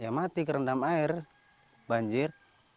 ya mati kerendam air banjir